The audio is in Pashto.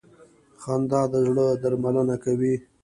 خندا د زړه درملنه کوي.